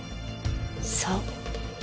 そう。